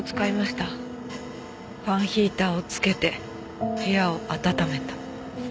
ファンヒーターをつけて部屋を暖めた。